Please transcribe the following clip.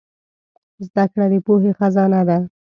زدهکړه د پوهې خزانه ده.